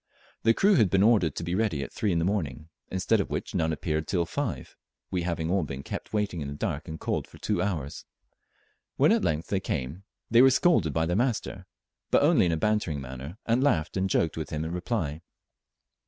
The crew had been ordered to be ready at three in the morning, instead of which none appeared till five, we having all been kept waiting in the dark and cold for two hours. When at length they came they were scolded by their master, but only in a bantering manner, and laughed and joked with him in reply.